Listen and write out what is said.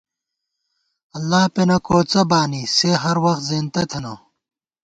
اللہ پېنہ کوڅہ بانی، سے ہر وخت زېنتہ تھنہ